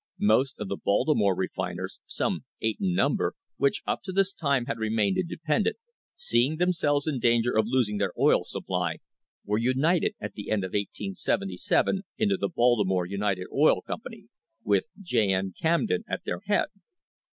Most of the Baltimore refiners, some eight in number, which up to this time had remained independent, seeing themselves in danger of losing their oil supply, were united at the end of 1877 into the Baltimore United Oil Company, with J. N. Camden at their head.